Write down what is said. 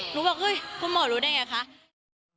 หนูบอกเฮ้ยคุณหมอรู้ได้อย่างไรคะ